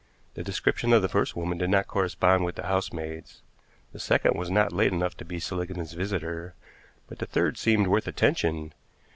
The description of the first woman did not correspond with the housemaid's, the second was not late enough to be Seligmann's visitor, but the third seemed worth attention.